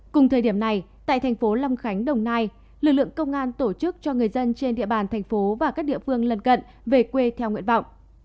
cùng thời điểm này tại thành phố long khánh đồng nai lực lượng công an tổ chức cho người dân trên địa bàn thành phố và các địa phương lân cận về quê theo nguyện vọng